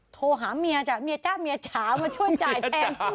โทรหาเมียจ้ะเมียจ้ะเมียจ๋ามาช่วยจ่ายแทน